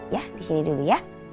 ya disini dulu ya